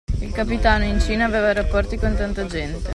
Il capitano, in Cina, aveva rapporti con tanta gente.